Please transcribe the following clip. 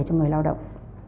cho người lao động